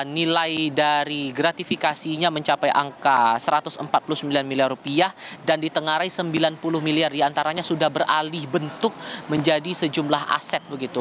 nilai dari gratifikasinya mencapai angka satu ratus empat puluh sembilan miliar rupiah dan ditengarai sembilan puluh miliar diantaranya sudah beralih bentuk menjadi sejumlah aset begitu